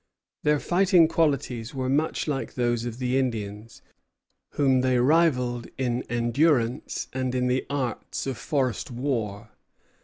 Their fighting qualities were much like those of the Indians, whom they rivalled in endurance and in the arts of forest war.